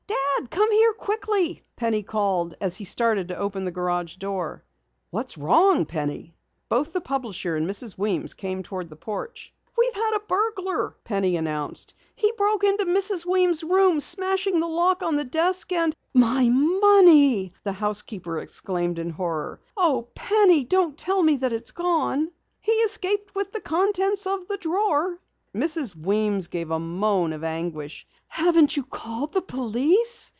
"Dad, come here quickly!" Penny called as he started to open the garage doors. "What's wrong, Penny?" Both the publisher and Mrs. Weems came toward the porch. "We've had a burglar," Penny announced. "He broke into Mrs. Weems' room, smashing the lock on the desk " "My money!" the housekeeper exclaimed in horror. "Oh, Penny, don't tell me that it's gone!" "He escaped with the contents of the drawer." Mrs. Weems gave a moan of anguish. "Haven't you called the police?"